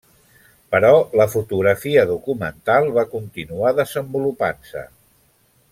Però, la fotografia documental va continuar desenvolupant-se.